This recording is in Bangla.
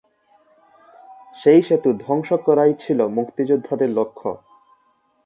সেই সেতু ধ্বংস করাই ছিলো মুক্তিযোদ্ধাদের লক্ষ্য।